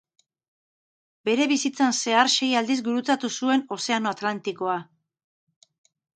Bere bizitzan zehar sei aldiz gurutzatu zuen Ozeano Atlantikoa.